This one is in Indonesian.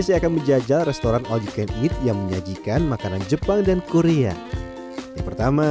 saya akan menjajal restoran all you can eat yang menyajikan makanan jepang dan korea yang pertama